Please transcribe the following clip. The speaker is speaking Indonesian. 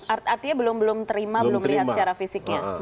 artinya belum belum terima belum lihat secara fisiknya